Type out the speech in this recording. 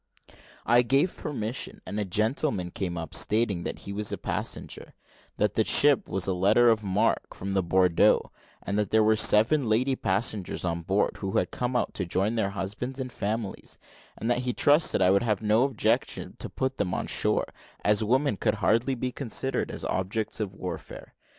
I gave permission, and a gentleman came up, stating that he was a passenger; that the ship was a letter of marque, from Bordeaux; that there were seven lady passengers on board, who had come out to join their husbands and families; and that he trusted I would have no objection to put them on shore, as women could hardly be considered as objects of warfare.